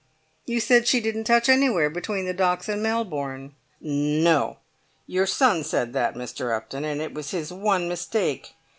"You said she didn't touch anywhere between the docks and Melbourne?" "No; your son said that, Mr. Upton, and it was his one mistake.